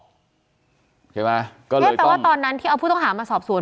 ใช่ไหมก็แปลว่าตอนนั้นที่เอาผู้ต้องหามาสอบสวน